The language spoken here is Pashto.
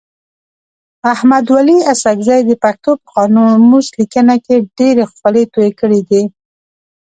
احمد ولي اڅکزي د پښتو په قاموس لیکنه کي ډېري خولې توی کړي دي.